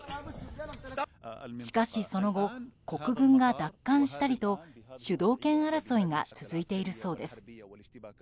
しかし、その後国軍が奪還したりと主導権争いが続いているそうです。